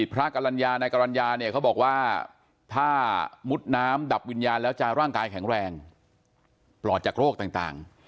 ปลอดจากโรคต่าง